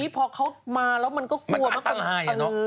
ทีนี้พอเขามาแล้วมันก็กลัวมันอัตลาย